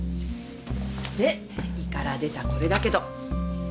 で胃から出たこれだけど。